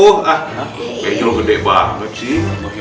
hah benjol gede banget sih